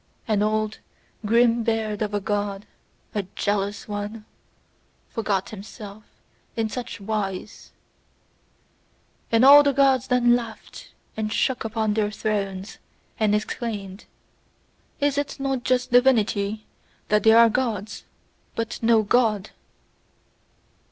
An old grim beard of a God, a jealous one, forgot himself in such wise: And all the Gods then laughed, and shook upon their thrones, and exclaimed: "Is it not just divinity that there are Gods, but no God?"